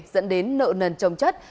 dẫn đến nợ nần trồng chất